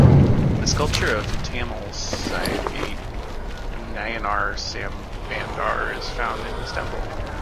The sculpture of Tamil Saivite Nayanar Sambandar is found in this temple.